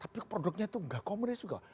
tapi produknya itu nggak komunis juga